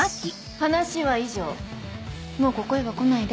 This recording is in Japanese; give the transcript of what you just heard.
話は以上もうここへは来ないで。